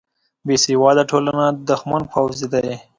بیسواده ټولنه د دښمن پوځ دی